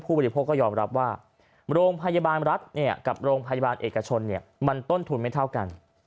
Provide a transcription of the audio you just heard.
บริโภคก็ยอมรับว่าโรงพยาบาลรัฐกับโรงพยาบาลเอกชนมันต้นทุนไม่เท่ากัน